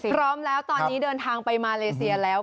พร้อมแล้วตอนนี้เดินทางไปมาเลเซียแล้ว